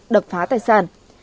đập phá tài sản